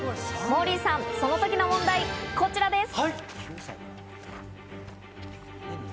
モーリーさん、その時の問題、こちらです。